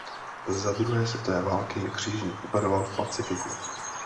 Za druhé světové války křižník operoval v Pacifiku.